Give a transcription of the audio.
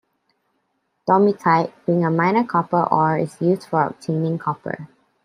Domeykite, being a minor copper ore is used for obtaining copper.